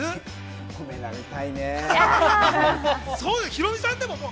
ヒロミさんでも。